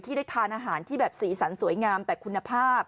ได้ทานอาหารที่แบบสีสันสวยงามแต่คุณภาพ